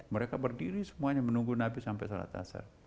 mereka berdiri semuanya menunggu nabi sampai sholat asar